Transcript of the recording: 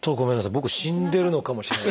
僕死んでるのかもしれない。